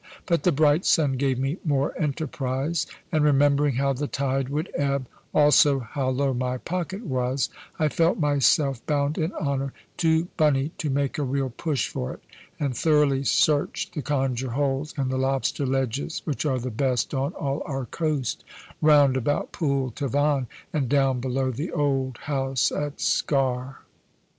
But the bright sun gave me more enterprise; and remembering how the tide would ebb, also how low my pocket was, I felt myself bound in honour to Bunny to make a real push for it, and thoroughly search the conger holes and the lobster ledges, which are the best on all our coast, round about Pool Tavan, and down below the old house at Sker.